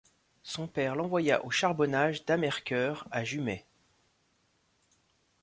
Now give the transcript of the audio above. Son père l'envoya aux charbonnages d'Amercœur à Jumet.